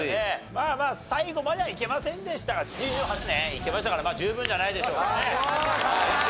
まあまあ最後まではいけませんでしたが２８年いけましたから十分じゃないでしょうかね。